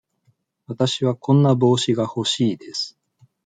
わたしはこんな帽子が欲しいです。